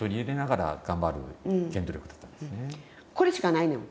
これしかないねん。